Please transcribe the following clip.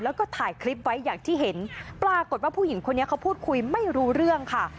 แล้วก็ถ่ายคลิปไว้อย่างที่เห็นปรากฏว่าผู้หญิงคนนี้เขาพูดคุยไม่รู้เรื่องค่ะ